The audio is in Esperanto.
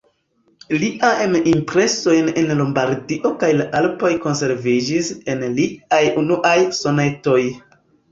Liajm impresojn en Lombardio kaj la Alpoj konserviĝis en liaj unuaj sonetoj.